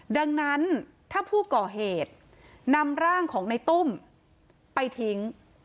ดังนั้นถ้าผู้ก่อเหตุนำร่างของในตุ้มไปทิ้ง